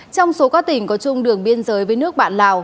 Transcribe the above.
trong số các tỉnh có chung đường biên giới với nước bạn lào